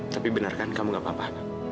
tapi bener kan kamu gak apa apa